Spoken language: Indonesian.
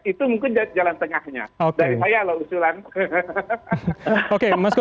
itu mungkin jalan tengahnya